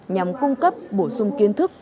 nhằm cung cấp bổ sung kiến thức